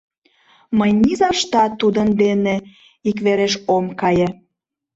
Мый низаштат тудын дене иквереш ом кае!